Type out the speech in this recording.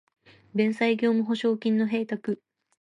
弁済業務保証金の供託